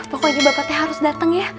pokoknya bapak teh harus dateng ya